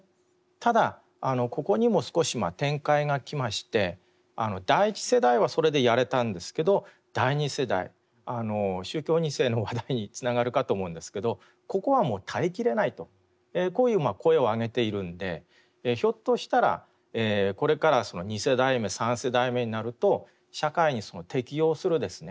ただここにも少し展開がきまして第１世代はそれでやれたんですけど第２世代宗教２世の話題につながるかと思うんですけどここはもう耐えきれないとこういう声を上げているんでひょっとしたらこれから２世代目３世代目になると社会に適応するですね